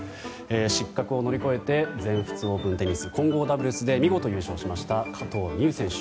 失格を乗り越えて全仏オープンテニス混合ダブルスで見事優勝しました加藤未唯選手